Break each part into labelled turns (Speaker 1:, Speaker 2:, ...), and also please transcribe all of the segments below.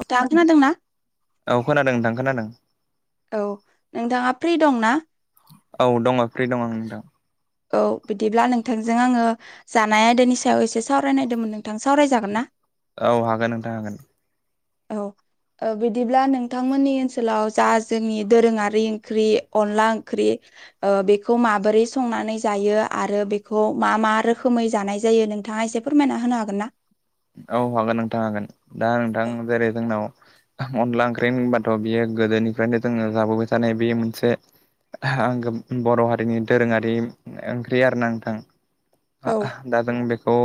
Speaker 1: नोंथाङा खोनादोंना
Speaker 2: औ खोनादों नोंथां खोनादों ।
Speaker 1: औ नोंथाङा फ्रि दं ना?
Speaker 2: औ दङ' फ्रि दङं नोंथां ।
Speaker 1: औ बिदिब्ला नोंथांजों आंङो जानाय आयदानि सायाव एसे सावरायनायदोंमोन नोंथां सावरायजागोन ना?
Speaker 2: औ हागोन नोंथां हागोन ।
Speaker 1: औ ओ बिदिब्ला नोंथांमोननि ओनसोलाव जा जोंनि दोरोंङारि ओंख्रि अनला ओंख्रि ओ बेखौ माबोरै संनानै जायो आरो बेखौ मा मा रोखोमै जानाय जायो । नोंथाङा एसे फोरमायना होनो हागोन ना?
Speaker 2: औ हागोन नोंथां हागोन ।दा नोंथां जेरै जोंनाव अनला ओंख्रि होनबाथ' बियो गोदोनिफ्रायनो जोङो जाबोबाय थानाय बे मोनसे आं बर' हारिनि दोरोङारि ओंख्रि आर ना नोंथां
Speaker 1: औ
Speaker 2: । दा जों बेखौ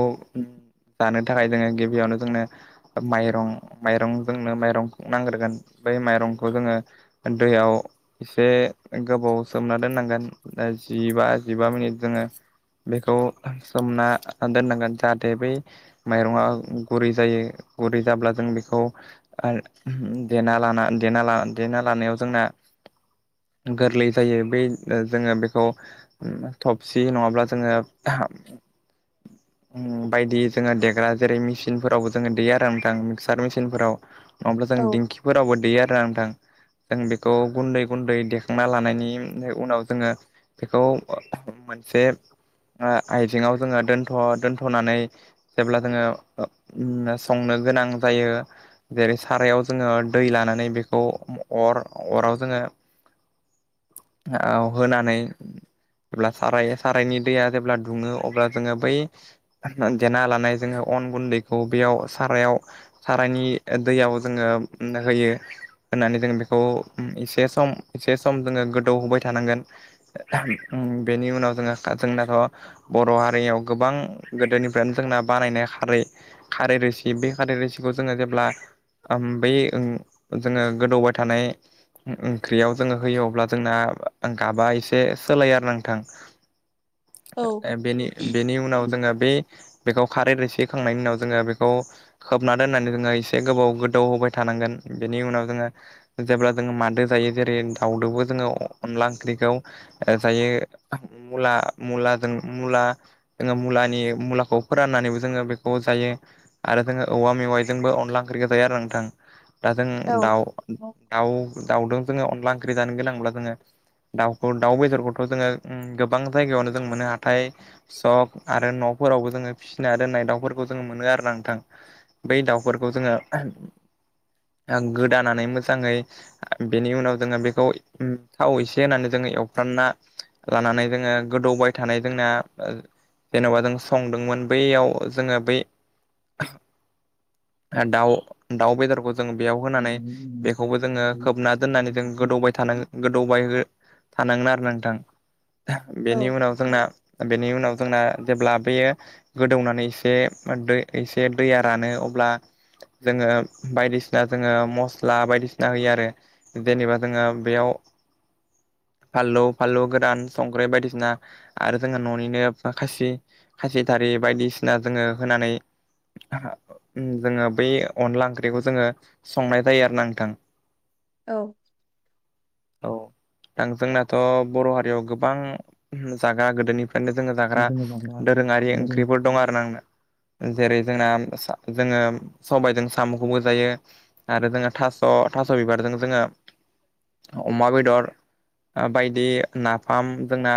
Speaker 2: जानो थाखाय जोंङो गिबियावनो जोंनो माइरं माइरं जोंनो माइरंखौ नांग्रोगोन बै माइरं [unintelligible] जोङो दैयाव इसे यगोबाव सोमना दोनांगोन जि बा बा जिबा मिनिट जोङो बेखौ सोमना दोननांगोन जाहाथे बे माइरंआ गुरै जायो गुरै जाब्ला जों बेखौ ओ देना लाना देना ला- देना लानायाव जोंना गोरलै जायो बै जोङो बेखौ थबसि नङाब्ला जोङो हा
Speaker 1: [inaudible]
Speaker 2: उम बायदि जोंङो देग दा जेरै मेसिनफोरावबो जोङो देया आरो नोंथां मिसार मेसिनफोराव। [unintelligible] जों
Speaker 1: औ
Speaker 2: दिंखिफोरावबो दैयो आरो नोंथां
Speaker 1: [inaudible]
Speaker 2: जों बेखौ गुन्दै गुन्दै देखांना लानायनि उनाव जोङो बेखौ मोन जे आइजेंङाव जोंङो दोनथ' दोनथ'नानै जेब्ला जोङो ओ-उम संनो गोनां जायो जेरै, सारायाव जोङो दै लाना नानै बेखौ अ अराव जोङो औ होनानै जब्ला सार सारायनि दैया जेब्ला दुङो अब्ला जोङो बै जेना होननाय जोङो अन गुन्दैखौ बेयाव सारायाव सारायनि दैयाव जोङो उम्म होयो होननानै जों बेखौ एसे सम एसे सम जोङो गोदौ होबाय थानांगोन । बेनि उनाव जोंङो जोंनाथ' बर' हारियाव गोबां गोदोनिफ्रायनो जोंना बानायनाय खारै खारै रोसि बे खारै रोसिखौ जोङो जेब्ला बै ओं जोङो गोदौबाय थानाय ओंख्रियाव जोङो होयो अब्ला जोंना गाबा एसे सोलायो आरो नांथां
Speaker 1: औ
Speaker 2: । बेनि बेनि उनाव जोङो बे बेखौ खारै रोसि होखांनायनि उनाव जोङो बेखौ खोबना दोननानै जोङो एसे गोबाव गोदौ होबाय थानांगोन । बेनि उनाव जोङो जेब्ला जोङो मादो जायो जेरै दाउदोबो जोङो अनला ओंख्रिखौ जायो मुला मुला जों मुला जोङो मुलानि मुलाखौ फोराननानैबो जोङो बेखौ जायो आरो जोङो औवा मेवाइजोंबो अनला ओंख्रिखौ जायो आरो नोंथां दा जों
Speaker 1: औ
Speaker 2: दाउ दाउ दाउजों जोङो अनला ओंख्रि जानो गोनांब्ला जोङो दाउखौ दाउ बेदरखौथ जोङो गोबां जायगायावनो जों मोनो हाथाय सक आरो न फोरावबो जोङो फिसिना दोननाय दाउफोरखौ जोङो मोनो आरो ना नोंथां बै दाउफोरखौ जोङो गोदानानै मोजाङै बेनि उनाव जोङो बेखौ थाव एसे होनानै जोङो एवफ्रानना लानानै जोङो गोदौबाय थानाय जोंना जेनबा जों संदोंमोन बैयाव जोङो बै दाउ दाउ बेदरखौ जों बेयाव होनानै बेखौबो जोङो खोबना दोननानै जों गोदौबाय थानांग गोदौबाय थानांगोन आरो नोंथां
Speaker 1: औ
Speaker 2: बेनि उनाव जोंना बेनि उनाव जोंना जेब्ला बेयो गोदौनानै एसे एसे दैया रानो अब्ला जोङो बायदिसिना जोङो मस्ला बायदिसिना होयो आरो जेनेबा जोङो बेयाव फानलौ फानलौ गोरान संख्रै बायदिसिना आरो जोङो ननिनो खासि खासि थारि बायदिसिना जोङो होनानै जोङो बै अनला ओंख्रिखौ जोङो संनाय जायो आरो ना नोंथां
Speaker 1: औ
Speaker 2: औ आं जोंनाथ बर हारियाव गोबां जागा गोदोनिफ [unintelligible] जोंना
Speaker 1: जोङो जाग्रा दोरों
Speaker 2: जोङो सबायजों साम खौबो जायो आरो जोङो थास थास बिबारजों जों जोङो अमा बेदर बायदि नाफाम जोंना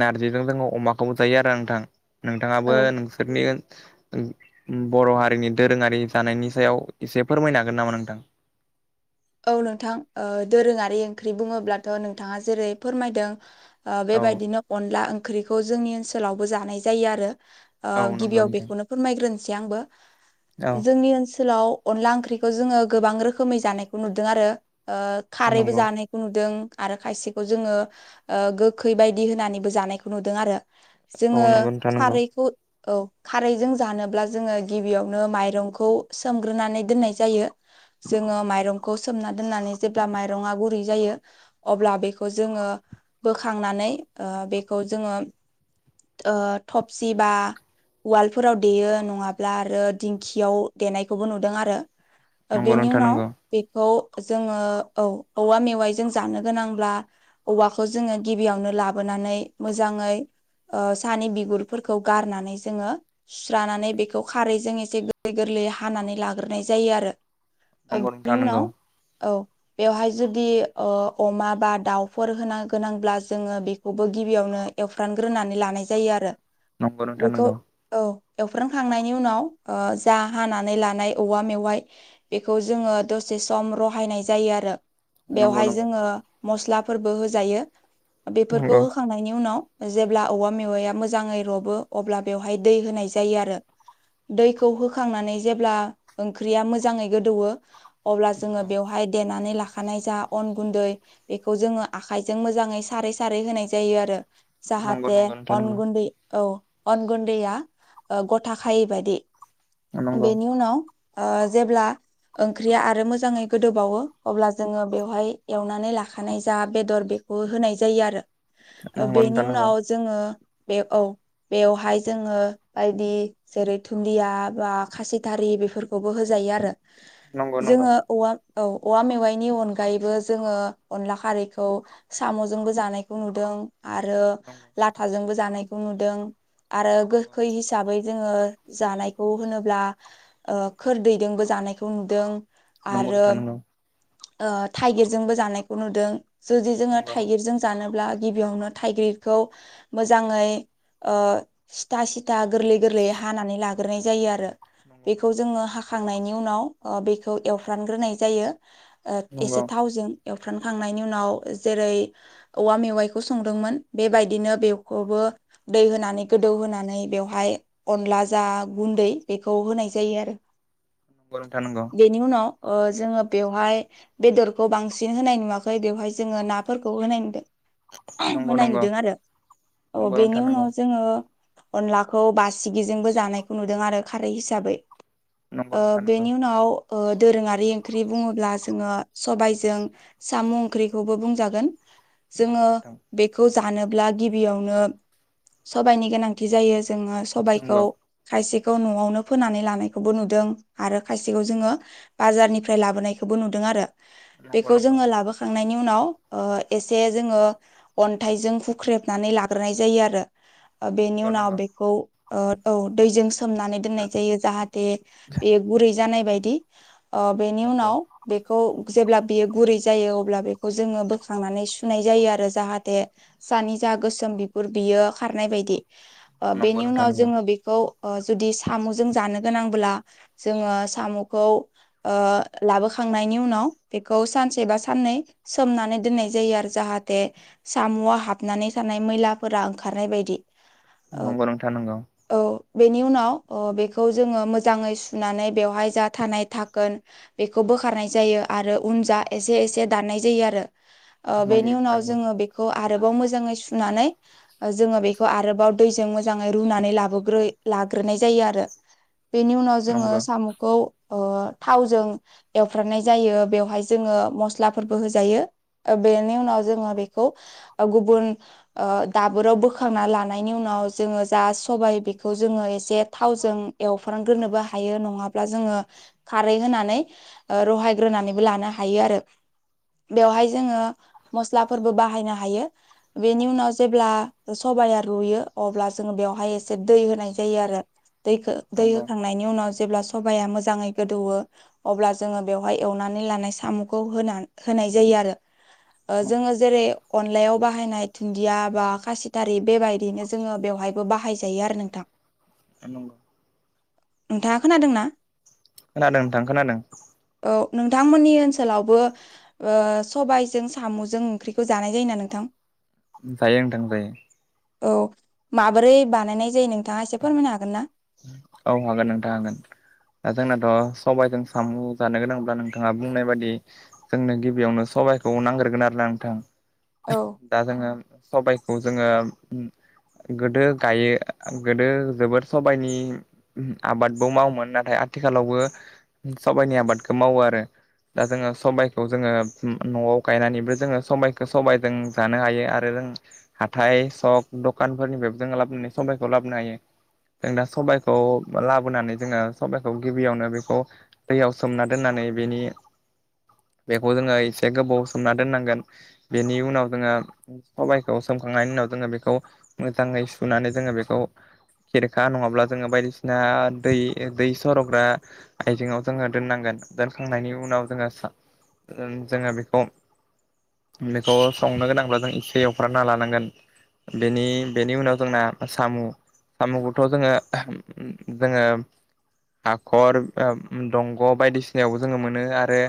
Speaker 2: नारजिजों जोङो अमाखौबो जायो आरो नोंथां
Speaker 1: औ
Speaker 2: नोंथाङाबो नोंसोरनि बर हारिनि दोरोङारि जानायनि सायाव एसे फोरमायनो हागोन नामा नोंथां?
Speaker 1: औ नोंथां ओ दोरोङारि ओंख्रि बुङोब्लाथ नोंथाङा जेरै फोरमायदों ओ
Speaker 2: औ
Speaker 1: बेबायदिनो अनला ओंख्रिखौ जोंनि ओनसोलावबो जानाय जायो आरो ओ
Speaker 2: औ नंगौ
Speaker 1: गिबियाव
Speaker 2: नोंथां
Speaker 1: बेखौनो फोरमायग्रोनोसै आंबो
Speaker 2: औ
Speaker 1: जोंनि ओनसोलाव अनला ओंख्रिखौ जोङो गोबां रोखोमै जानायखौ नुदों आरो ओ खारैबो
Speaker 2: नंगौ
Speaker 1: जानायखौ नुदों आरो खायसेखौ जोङो ओ गोखै बायदि होनानैबो जानायखौ नुदों आरो
Speaker 2: औ
Speaker 1: जोङो
Speaker 2: नंगौ नोंथां नंगौ
Speaker 1: खारैखौ औ खारैजों जानोब्ला जोङो गिबियावनो माइरंखौ सोमग्रोनानै दोननाय जायो जोङो माइरं खौ सोमना दोननानै जेब्ला मायरंआ गुरै जायो‌ अब्ला बेखौ जोङो बोखांनानै नै ओ बेखौ जों थबसि बा वालफोराव देयो नङाब्ला आरो दिंखियाव देनायखौबो नुदों आरो
Speaker 2: नंगौ नोंथां नंगौ
Speaker 1: खौ जोङो औ औवा मेवाइ जों जानो गोनांब्ला औ लाबोनानै मोजाङै ओ सानि बिगुरफोरखौ गारनानै जोङो सुस्रानानै बेखौ खारैजों एसे गोरलै गोरलै गोरलै हानानै लाग्रोनाय जायो आरो
Speaker 2: नंगौ नोंथां
Speaker 1: बिनि उनाव औ बेवहाय जुदि ओ अमा बा दाउफोर होना गोनांब्ला जोङो बेखौबो गिबियावनो एवफ्रामग्रोनानै लानाय जायो आरो
Speaker 2: नंगौ नोंथां
Speaker 1: बेखौ
Speaker 2: नंगौ
Speaker 1: औ एवफ्रामखांनायनि उनाव ओ जा हानानै लानाय औवा मेवाइ बेखौ जोङो दसे सम रहायनाय जायो आरो
Speaker 2: नंगौ नोंथां नंगौ
Speaker 1: बेवहाय जोङो मस्लाफोरबो होजायो बेफोरखौ
Speaker 2: नंगौ
Speaker 1: होखांनायनि उनाव जेब्ला औवा मेवाया मोजाङै रबो अब्ला बेवहाय दै होनाय जायो आरो दैखौ होखांनानै जेब्ला ओंख्रिया मोजाङै गोदौवो अब्ला जोङो बेवहाय देनानै लाखा- लाखानाय जा अन गुन्दै बेखौ जोङो आखाइजों मोजाङै सारै सारै होनाय जायो आरो
Speaker 2: नंगौ
Speaker 1: जाहाथे
Speaker 2: नंगौ नोंथां
Speaker 1: अन
Speaker 2: नंगौ
Speaker 1: गुन्दै औ अन गुन्दैया गथाखायै बायदि
Speaker 2: नंगौ
Speaker 1: बेनि उनाव ओ जेब्ला ओंख्रिआ आरो मोजाङै गोदौबावो अब्ला जोङो बेवहाय एवनानै लाखानाय जा बेदर बेखौ होनाय जायो आरो
Speaker 2: नंगौ
Speaker 1: बेनि
Speaker 2: नोंथां नंगौ
Speaker 1: उनाव जोङो बे औ बेवहाय जोङो बायदि जेरै दुन्दिया बा खासिथारि बेफोरखौबो होजायो आरो
Speaker 2: नंगौ नंगौ
Speaker 1: जोङो औवा औ औवा मेवाइनि अनगायैबो जोङो अनला खारैखौ साम'जोंबो जानायखौ नुदों आरो
Speaker 2: नंगौ
Speaker 1: लाथाजोंबो जानायखौ नुदों आरो
Speaker 2: नंगौ
Speaker 1: गोखै हिसाबै जोङो जानायखौ होनोब्ला खोरदैदोंबो जानायखौ नुदों
Speaker 2: नंगौ
Speaker 1: आरो
Speaker 2: नोंथां नंगौ
Speaker 1: थाइगिरजोंबो जानायखौ नुदों जुदि जोङो
Speaker 2: नंगौ
Speaker 1: थाइगिरजों जानो अब्ला गिबियावनो थाइगिरखौ मोजाङै सिथा सिथा गोरलै गोरलै हानानै लाग्रोनाय जायो आरो
Speaker 2: नंगौ
Speaker 1: बेखौ जोङो हाखांनायनि उनाव बेखौ एवफ्रामग्रोनाय जायो
Speaker 2: नंगौ नंगौ
Speaker 1: एसे थावजों एवफ्रामखांनायनि उनाव जेरै औवा मेवाइखौ संदोंमोन बेबायदिनो बेखौबो दै होनानै गोदौहोनानै बेवहाय अनला जा गुन्दै बेखौ होनाय जायो आरो [inaudible]
Speaker 2: नोंथां नंगौ
Speaker 1: बेनि उनाव जोङो बेवहाय बेदरखौ बांसिन होनाय नुवाखै बेवहाय जोङो नाफोरखौ होनाय नुदों
Speaker 2: नंगौ
Speaker 1: होनाय नुदों आरो अ
Speaker 2: नंगौ
Speaker 1: बेनि उनाव जोङो अनलाखौ बासिगिजोंबो जानायखौ नुदों आरो खारै हिसाबै बेनि उनाव दोरोङारि ओंख्रि बुङोब्ला जोङो सबायजों साम' ओंख्रिखौबो बुंजागोन जोङो
Speaker 2: नंगौ नोंथां
Speaker 1: बेखौ जानोब्ला गिबियावनो सबायनि गोनांथि जायो जोङो सबायखौ
Speaker 2: नंगौ
Speaker 1: खायसेखौ न'आवनो फोनानै लानायखौबो नुदों आरो खायसेखौ जोङो बाजारनिफ्राय लाबोनायखौबो नुदों आरो
Speaker 2: नंगौ
Speaker 1: बेखौ जोङो लाबोखांनायनि नि उनाव एसे जोङो अन्थाइजों हुख्रेबनानै लाग्रोनाय जायो आरो बेनि
Speaker 2: नोंथां
Speaker 1: उनाव बेखौ औ दैजों सोमनानै दोननाय जायो जाहाथे बे गुरै जानाय बायदि अ बेनि
Speaker 2: नंगौ
Speaker 1: उनाव बेखौ जेब्ला बियो गुरै जायो अब्ला बेखौ जोङो बोखांनानै सुनाय जायो आरो जाहाथे सानि आ गोसोम बिगुर बियो खारनाय बायदि अ
Speaker 2: नंगौ नोंथां नंगौ
Speaker 1: बेनि
Speaker 2: नोंथां
Speaker 1: उनाव
Speaker 2: नंगौ
Speaker 1: जोङो बेखौ ओ जुदि सामजों जानो गोनांब्ला जोङो साम खौ ओ लाबोखांनायनि उनाव बेखौ सानसे बा साननै सोमनानै दोननाय जायो आरो जाहाथे सामआ हाबनानै थानाय मैलाफोरा ओंखारनाय बायदि ओ
Speaker 2: नंगौ नोंथां नोंगौ
Speaker 1: औ बेनि उनाव अ बेखौ जोङो मोजाङै सुनानै बेवहाय जा थानाय थाखोन बेखौ बोखारनाय जायो आरो उन जा एसे एसे दाननाय जायो आरो ओ
Speaker 2: नंगौ
Speaker 1: बेनि
Speaker 2: नोंथां
Speaker 1: उनाव
Speaker 2: नंगौ
Speaker 1: जोङो बेखौ आरोबाव मोजाङै सुनानै ओ जोङो बेखौ आरोबाव दैजों मोजाङै रुनानै लाबोग्रोयो ला लाग्रोनाय जायो आरो बेनि उनाव जोङो
Speaker 2: नंगौ
Speaker 1: सामखौ अ थावजों एवफ्रामनाय जायो बेवहाय जोङो मस्लाफोरबो होजायो। ओ बेनि उनाव जोङो बेखौ गुबुन ओ दाबोराव बोखांना लानायनि उनाव जोङो जा सबाइ बेखौ जोङो एसे थावजों एवफ्रामग्रोनोबो हायो नङाब्ला जोङो खारै होनानै ओ रहायग्रोनानैबो लानो हायो आरो। बेवहाय जोङो मस्लाफोरबो बाहायनो हायो। बेनि उनाव जेब्ला सबाया रुयो अब्ला जोङो बेवहाय एसे दै होनाय जायो आरो। दैखो दै
Speaker 2: नंगौ
Speaker 1: होखांनायनि उनाव जेब्ला सबाया मो जाङै गोदौवो अब्ला जोङो बेवहाय एवनानै लानाय सामखौ होनान होनाय जायो आरो। ओ
Speaker 2: नंगौ
Speaker 1: जोङो जेरै अनलायाव बाहायनाय दुन्दिया बा खासिथारि बेबायदिनो जोङो बेवहायबो बाहायजायो आरो नोंथां।
Speaker 2: ओ नंगौ।
Speaker 1: नोंथांङा खोनादोंना?
Speaker 2: खोनादों नोंथां खोनादों।
Speaker 1: औ नोंथांमोननि ओनसोलावबो ओ सबाइजों सामजों ओंख्रिखौ जानाय जायोना नोंथां?
Speaker 2: जायो नोंथां जायो।
Speaker 1: औ माबोरै बानायनाय जायो नोंथाङा एसे फोरमायनो हागोन ना?
Speaker 2: औ हागोन नोंथां हागोन। ओ जोंनाथ सबाइजों सामु जानो गोनांब्ला नोंथाङा बुंनाय बायदि जोंनो गिबियावनो सबाइखौ नांग्रोगोन आरो ना नोंथां
Speaker 1: औ
Speaker 2: दा जोङो सबाइ खौ जोङो उम गोदो दायो गोदो जोबोर सबाइनि आबादबो मावोमोन नाथाय आथिखालावबो सबाइनि आबादखौ मावो आरो। दा जोङो सबाइखौ जोङो उम नआव गायनानैबो जोङो सबाइखौ सबाइजों जानो हायो आरो। जों हाथाय सक दखानफोरनिफ्राय जों लाबोनानै सबाइखौ लाबोनो हायो। जों दा सबाइखौ लाबोनानै जोङो सबाइखौ गिबियावनो बेखौ दैयाव सोमना दोननानै बेनि बेखौ जोङो एसे गोबाव सोमना दोननांगोन बेनि उनाव जोङो सबाइखौ सोम खांनायनि उनाव जोङो बेखौ मोजाङै सुनानै जोङो बेखौ खेरेखा नंङाब्ला जोङो बायदिसिना दै दै सरग्रा आइजेङाव जोङो दोननांगोन। दोनखांनायनि उनाव जोङो सा ओ जोङो बेखौ बेखौ संनो गोनांब्ला जों एसे एवफ्रामना लानांगोन। बेनि बेनि उनाव जोंना सामु साम'खौथ जोंङो जोंङो हाखर ओ उम दंग' बायदिसिनायावबो जोङो मोनो आरो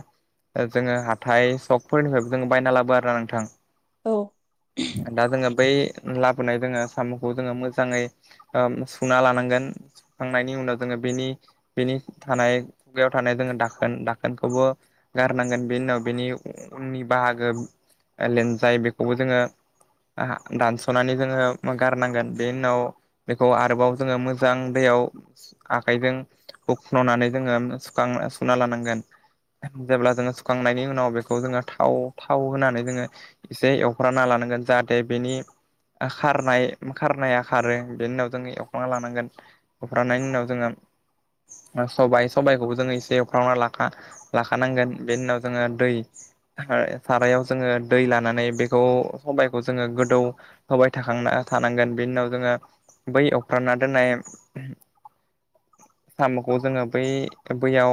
Speaker 2: ओ जोङो हाथाइ सकफोरनिफ्रायबो जों बायना लाबो आरो ना नोंथां।
Speaker 1: औ
Speaker 2: दा जोङो बै लाबोनाय जोङो साम'खौ जोङो मोजाङै ओम सुना लानांगोन। सुखांनायनि उनाव जोङो बेनि बेनि थानाय खुगायाव थानाय जोङो दाखोन दाखोनखौबो गारनांगोन बेनि उनाव बेनि उननि बाहागो लेनजाय बेखौबो जोङो आहा दानस'नानै जोङो गारनांगोन बेनि उनाव बेखौ आरोबाव जोङो मोजां दैयाव आखाइजों हुखन'नानै जोङो सुखां सुना लानांगोन। जेब्ला जोङो सुखांनायनि उनाव बेखौ जोङो थाव थाव होनानै जोङो एसे एवफ्रामना ला नांगोन जाहाथे बेनि खारनाय खारनाया खारो बेनि उनाव जोङो एवफ्रामना लानांगोन एवखांनायनि उनाव जोङो सबाइ सबायाइखौबो जोङो एसे एवफ्रामना लाखा लाखानांगोन बेनि उनाव जोङो दै ओ सारायाव जोङो दै लानानै बेखौ सबाइखौ जोङो गोदौ होबाय थाखां थानांगोन बेनि उनाव जोङो बै एवफ्रामना दोननाय साम'खौ जोङो बै बैयाव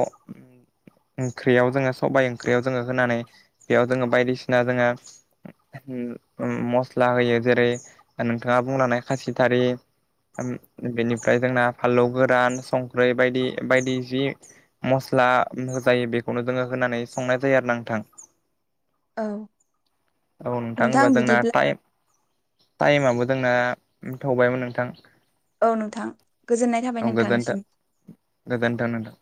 Speaker 2: ओंख्रियाव जोङो सबायाइ ओंख्रियाव जोङो होनानै बेयाव जोङो बायदिसिना जोङो उम उम मस्ला होयो जेरै नोंथाङा बुंलानाय खासिथारि बेनिफ्राय जोंना फानलौ गोरान संख्रै बायदि बायदि जि मस्ला होजायो बेखौनो जोङो होनानै संनाय जायो आरो ना नोंथां। औ नोंथां होनबा जोंना टाइमाबो जोंना थौबायमोन नोंथां।
Speaker 1: औ नोंथां गोजोननाय थाबाय नोंथांसिम।
Speaker 2: दे नोंथा।